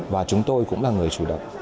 và chúng tôi cũng là người chủ động